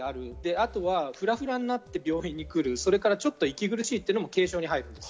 あとはふらふらになって病院に来る、息苦しいというのも軽症に入るんです。